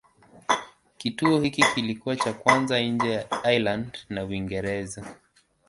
Kituo hiki kilikuwa cha kwanza nje ya Ireland na Uingereza.